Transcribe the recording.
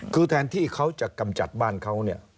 คือแทนที่เขาจะกำจัดบ้านเขาเนี่ย